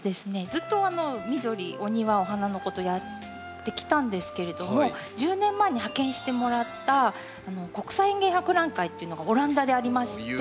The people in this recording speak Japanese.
ずっと緑お庭お花のことやってきたんですけれども１０年前に派遣してもらった国際園芸博覧会っていうのがオランダでありまして。